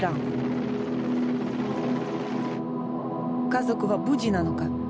家族は無事なのか。